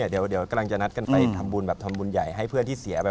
เดี๋ยวกำลังจะนัดกันไปทำบุญแบบทำบุญใหญ่ให้เพื่อนที่เสียไป